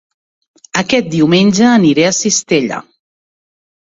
Aquest diumenge aniré a Cistella